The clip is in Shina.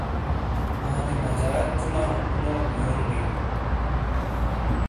آنے مجا چُوناؤ اونوک ویونی بئیں۔